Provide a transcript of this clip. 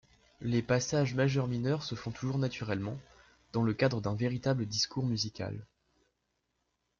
Les passages majeur-mineur se font toujours naturellement, dans le cadre d'un véritable discours musical.